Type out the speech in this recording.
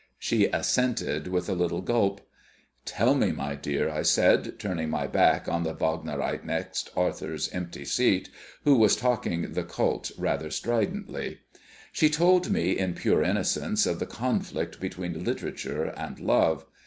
She assented with a little gulp. "Tell me, my dear," I said, turning my back on the Vaaagnerite next Arthur's empty seat, who was talking the cult rather stridently. She told me in pure innocence of the Conflict between Literature and Love.